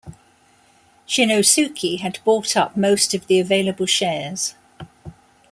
Shinnosuke had bought up most of the available shares.